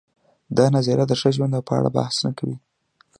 دا نظریه د ښه ژوند په اړه بحث نه کوي.